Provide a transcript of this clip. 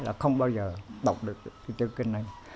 là không bao giờ đọc được chữ kinh này